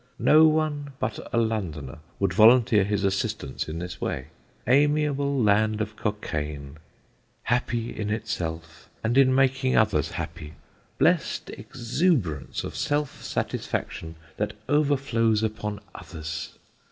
No one but a Londoner would volunteer his assistance in this way. Amiable land of Cockayne, happy in itself, and in making others happy! Blest exuberance of self satisfaction, that overflows upon others!